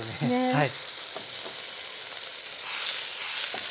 はい。